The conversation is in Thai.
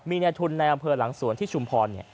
มีในทุนในอำเภอหลังสวนที่ชุมพร